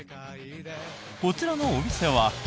こちらのお店は。